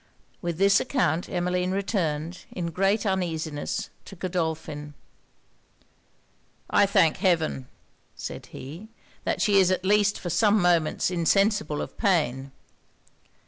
With this account Emmeline returned, in great uneasiness, to Godolphin. 'I thank Heaven,' said he, 'that she is at least for some moments insensible of pain!